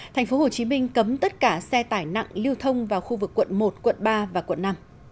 tp hcm cấm tất cả xe tải nặng lưu thông vào khu vực quận một quận ba và quận năm